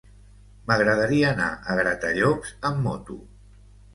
M'agradaria anar a Gratallops amb moto.